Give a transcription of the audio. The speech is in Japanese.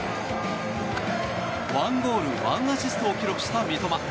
１ゴール１アシストを記録した三笘。